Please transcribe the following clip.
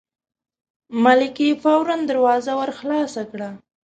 ملکې فوراً دروازه ور خلاصه کړه.